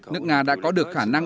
nước nga đã có được khả năng